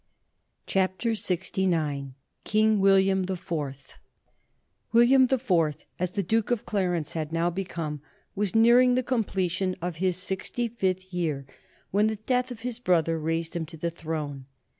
[Sidenote: 1830 The career of William the Fourth] William the Fourth, as the Duke of Clarence had now become, was nearing the completion of his sixty fifth year when the death of his brother raised him to the throne.